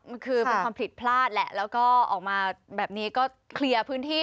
มันคือเป็นความผิดพลาดแหละแล้วก็ออกมาแบบนี้ก็เคลียร์พื้นที่